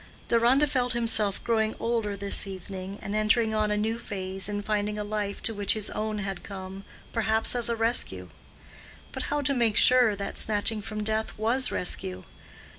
Deronda felt himself growing older this evening and entering on a new phase in finding a life to which his own had come—perhaps as a rescue; but how to make sure that snatching from death was rescue?